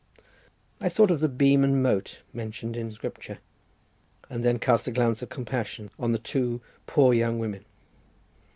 I thought of the beam and mote mentioned in Scripture, and then cast a glance of compassion on the two poor young women.